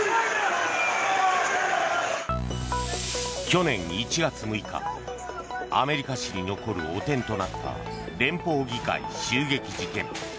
去年１月６日アメリカ史に残る汚点となった連邦議会襲撃事件。